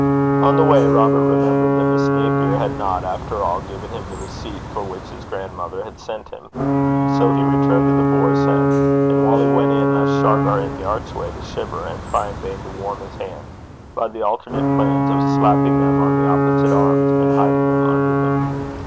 On the way Robert remembered that Miss Napier had not, after all, given him the receipt for which his grandmother had sent him. So he returned to The Boar's Head, and, while he went in, left Shargar in the archway, to shiver, and try in vain to warm his hands by the alternate plans of slapping them on the opposite arms, and hiding them under them.